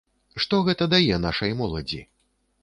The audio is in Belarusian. Што гэта дае нашай моладзі?